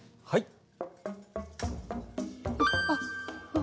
はい。